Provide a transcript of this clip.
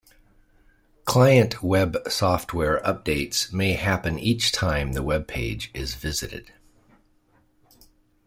Client web software updates may happen each time the web page is visited.